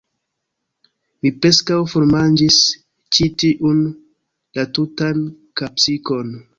Mi preskaŭ formanĝis ĉi tiun, la tutan kapsikon.